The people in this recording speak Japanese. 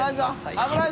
危ない！